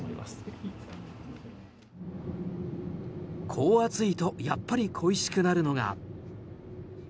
こう暑いとやっぱり恋しくなるのが。